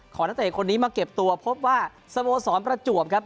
นักเตะคนนี้มาเก็บตัวพบว่าสโมสรประจวบครับ